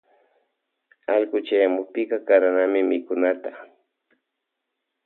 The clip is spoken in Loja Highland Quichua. Ayllu chayamukpika karanami mikunata.